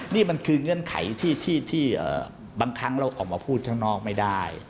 นี่มันคือเงื่อนไขที่บางครั้งเราออกมาพูดข้างนอกไม่ได้